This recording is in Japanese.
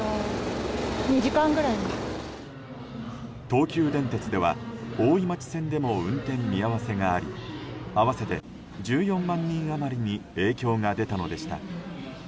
東急電鉄では大井町線でも運転見合わせがあり合わせて１４万人余りに影響が出たのでした。